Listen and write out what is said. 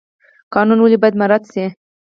قانون ولې باید مراعات شي؟